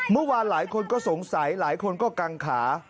เมื่อวานหลายคนก็สงสัยหลายคนก็กังขา